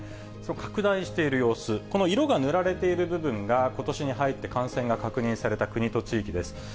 拡大している様子、この色が塗られている部分が、ことしに入って感染が確認された国と地域です。